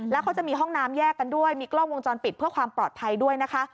แล้วเขาจะมีห้องน้ำแยกกันด้วยมีกล้องวงจรปิดเพื่อความปลอดภัยด้วยนะคะ